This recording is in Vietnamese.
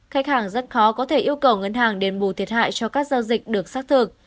khách hàng rất khó có thể yêu cầu ngân hàng đền bù thiệt hại cho các giao dịch được xác thực